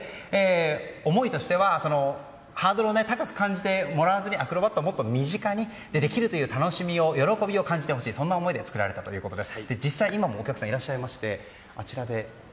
思いとしては、ハードルを高く感じてもらわずにアクロバットを身近にできる喜びを感じてほしいという思いで作られたそうです。